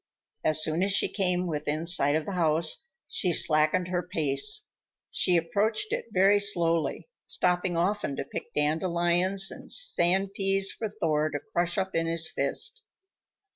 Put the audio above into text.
As soon as she came within sight of the house, she slackened her pace. She approached it very slowly, stopping often to pick dandelions and sand peas for Thor to crush up in his fist.